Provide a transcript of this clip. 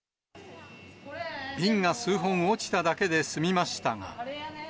瓶が数本落ちただけで済みましたが。